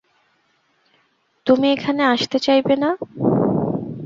তুমি এখানে আসতে চাইবে না।